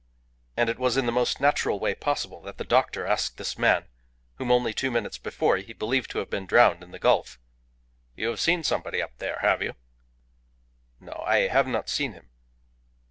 And it was in the most natural way possible that the doctor asked this man whom only two minutes before he believed to have been drowned in the gulf "You have seen somebody up there? Have you?" "No, I have not seen him."